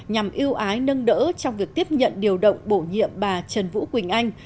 nhằm yêu ái nâng đỡ trong việc tiếp nhận điều động bổ nhiệm bà trần vũ quỳnh anh